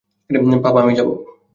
পাপা আমি যাবো।